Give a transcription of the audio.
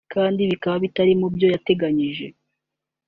kandi bikaba bitari mu byo yateganyije